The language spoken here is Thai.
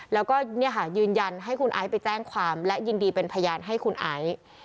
แล้วก็ยืนยันให้คุณไอซ์ไปแจ้งความและยินดีเป็นพยานให้คุณไอซ์